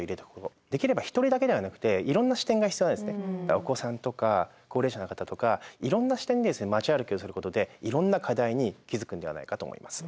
お子さんとか高齢者の方とかいろんな視点で街歩きをすることでいろんな課題に気付くんではないかと思います。